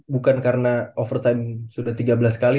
bukan karena overtime sudah tiga belas kali